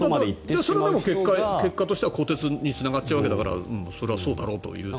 それは結果としては更迭につながっちゃうわけだからそれはそうだろうという。